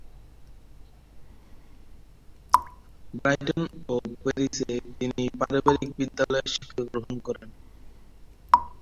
Brighton ও প্যারিসে তিনি পারিবারিক বিদ্যালয়ে শিক্ষা গ্রহণ করেন।